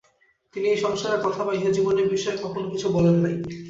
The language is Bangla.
তিনি এই সংসারের কথা বা ইহজীবনের বিষয় কখনও কিছু বলেন নাই।